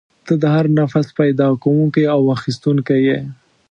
ته د هر نفس پیدا کوونکی او اخیستونکی یې.